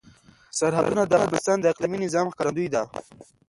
سرحدونه د افغانستان د اقلیمي نظام ښکارندوی ده.